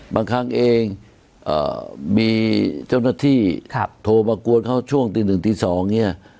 บางครั้งเองมีเจ้าหน้าที่โทรมากวนเขาช่วงตี๑ตี๒เนี่ย